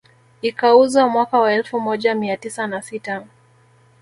Ikauzwa mwaka wa elfu moja mia tisa na sita